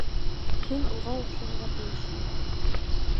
Һин уға оҡшарға тейешһең.